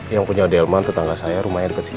yang punya delman tetangga saya rumahnya dekat sini